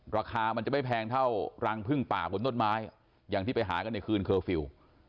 ราคามันจะไม่แพงเท่ารังพึ่งป่าบนต้นไม้อย่างที่ไปหากันในคืนเคอร์ฟิลล์